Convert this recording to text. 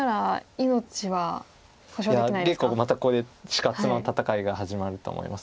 いやまたここで死活の戦いが始まると思います。